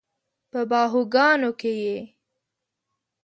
په باهوګانو کې یې